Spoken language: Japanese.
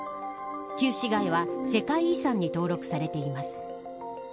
旧市街は世界遺産に登録されています。